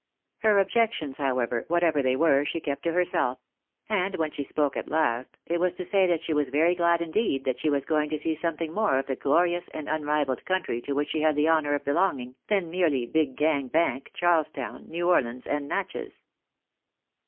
Her objections, however, whatever they were, she kept to herself; .and when she spoke at last, it was to say that she was very glad indeed, that she was going to see something more of the glorious and unrivalled country to which she had the honour of belonging, than merely Big Gang Bank, Charles Town, New Orleans, and Natches.